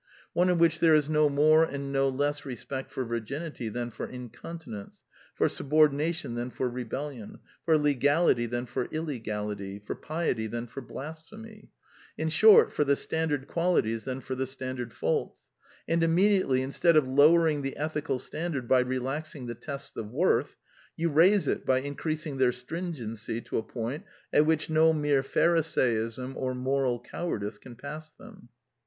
one in which there is no more and no less respect for virginity than for incontinence, for subordination than for rebellion, for legality than for illegality, for piety than for blasphemy: in short, for the standard qualities than for the standard faults, and immediately, instead of lowering the ethical standard by relaxing the tests of worth, you raise it by increasing their strin gency to a point at which no mere Pharisaism or moral cowardice can pass them.